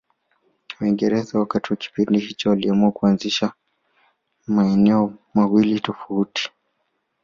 Waingereza wakati wa kipindi hicho waliamua kuanzisha maeneo mawili tofauti